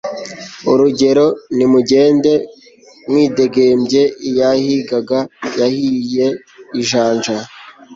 urugero «nimujyende mwidegembye iyahigaga yahiye ijanja»